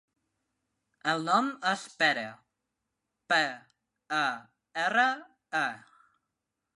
El nom és Pere: pe, e, erra, e.